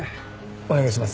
お願いします。